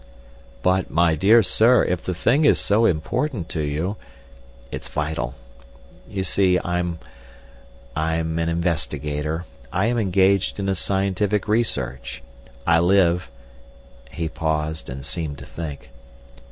"But, my dear sir, if the thing is so important to you—" "It's vital. You see, I'm—I'm an investigator—I am engaged in a scientific research. I live—" he paused and seemed to think.